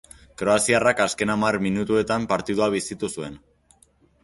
Kroaziarrak azken hamar minutuetan partida bizitu zuen.